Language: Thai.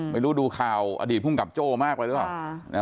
ไม่รู้ดูข่าวอดีตภูมิกับโจ้มากไปหรือเปล่า